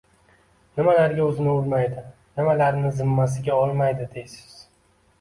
nimalarga o’zini urmaydi, nimalarni zimmasiga olmaydi deysiz?